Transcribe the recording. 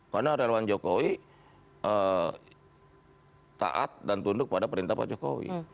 karena relawan jokowi taat dan tunduk pada perintah pak jokowi